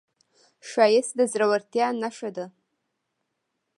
ښایست د زړورتیا نښه ده